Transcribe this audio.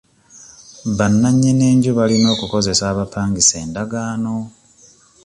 Bannanyini nju balina okukozesa abapangisa endagaano.